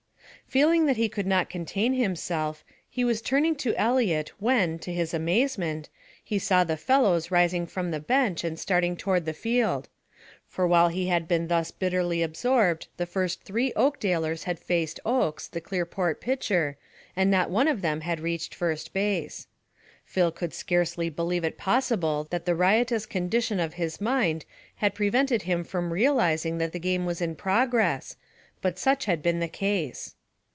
Feeling that he could not contain himself, he was turning to Eliot when, to his amazement, he saw the fellows rising from the bench and starting toward the field; for while he had been thus bitterly absorbed the first three Oakdalers had faced Oakes, the Clearport pitcher, and not one of them had reached first base. Phil could scarcely believe it possible that the riotous condition of his mind had prevented him from realizing that the game was in progress, but such had been the case.